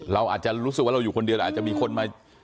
เราอาจจะรู้สึกว่าเราอยู่คนเดียวอาจจะมีคนมา